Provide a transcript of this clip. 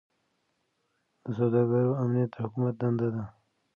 د سوداګرو امنیت د حکومت دنده ده.